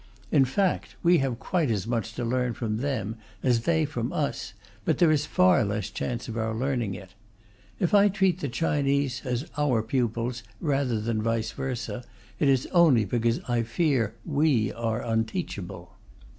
In fact, we have quite as much to learn from them as they from us, but there is far less chance of our learning it. If I treat the Chinese as our pupils, rather than vice versa, it is only because I fear we are unteachable.